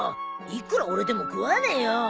いくら俺でも食わねえよ。